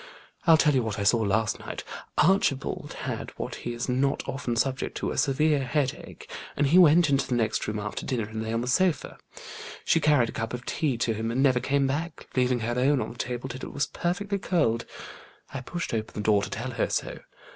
I'll tell you what I saw last night. Archibald had what he is not often subject to, a severe headache, and he went into the next room after dinner, and lay on the sofa. She carried a cup of tea to him, and never came back, leaving her own on the table till it was perfectly cold. I pushed open the door to tell her so.